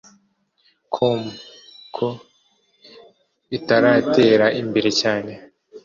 com ko ritaratera imbere cyane